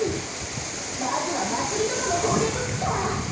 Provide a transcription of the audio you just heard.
まずはまつり殿のコーデブックから。